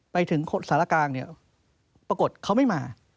ไปถึงสารกลางเนี่ยปรากฏเขาไม่มา